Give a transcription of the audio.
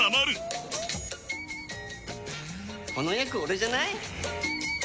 この役オレじゃない？